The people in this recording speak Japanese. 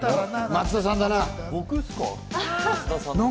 松田さんだな。